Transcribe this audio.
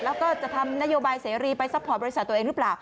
แล้วก็จะทำนโยบายเสรีไปซัพพอร์ตบริษัทตัวเองหรือเปล่า